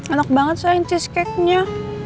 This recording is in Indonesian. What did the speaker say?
anak banget sayang cheesecake nya